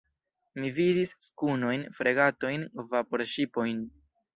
Mi vidis skunojn, fregatojn, vaporŝipojn.